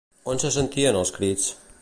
On se sentien els crits?